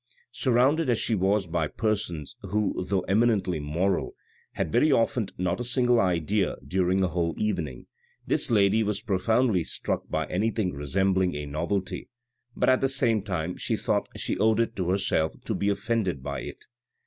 Surrounded as she was by persons who, though eminently moral, had very often not a single idea during a whole evening, this lady was profoundly struck by anything resembling a novelty, but at the same time she thought she owed it to herself to be offended by it.